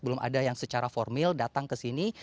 belum ada yang secara formil datang ke sini